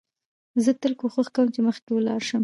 زه تل کوښښ کوم، چي مخکي ولاړ سم.